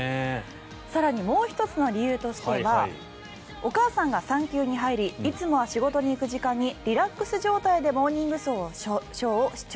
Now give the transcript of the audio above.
更にもう１つの理由としてはお母さんが産休に入りいつもは仕事に行く時間にリラックス状態で「モーニングショー」を視聴。